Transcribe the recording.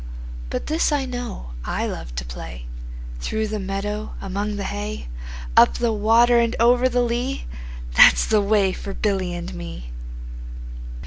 20 But this I know, I love to play Through the meadow, among the hay; Up the water and over the lea, That 's the way for Billy and me.